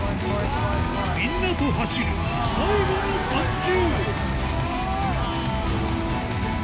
みんなと走る最後の３周